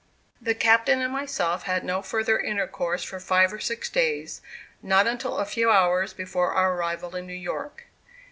The captain and myself had no further intercourse for five or six days; not until a few hours before our arrival in New York.